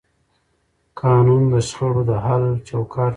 قانون د شخړو د حل چوکاټ برابروي.